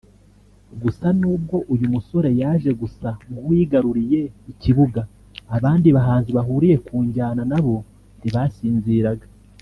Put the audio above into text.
Gusa n’ubwo uyu musore yaje gusa nk’uwigaruriye ikibuga abandi bahanzi bahuriye ku njyana na bo ntibasinziraga